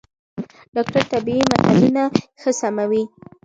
ډاکټر طبي متنونه ښه سموي.